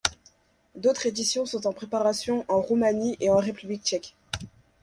D'autres éditions sont en préparation en Roumanie et en République tchèque.